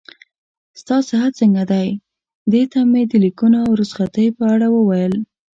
ستا صحت څنګه دی؟ دې ته مې د لیکونو او رخصتۍ په اړه وویل.